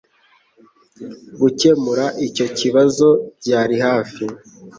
Gukemura icyo kibazo byari hafi.